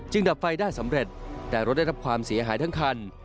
ดับไฟได้สำเร็จแต่รถได้รับความเสียหายทั้งคัน